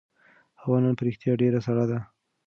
هوا نن په رښتیا ډېره سړه ده.